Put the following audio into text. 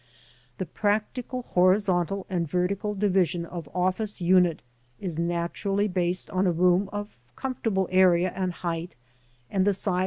The practical horizontal and vertical division or office unit is nat urally based on a room of comfortable area and height, and the size